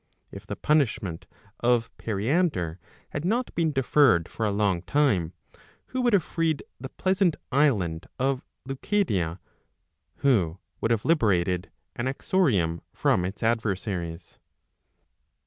If the punishment of Periander had not been deferred for a long time, who would have freed the pleasant island of Leucadia, who would have liberated Ana'xoriom from its adversaries?